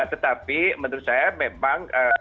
tetapi menurut saya memang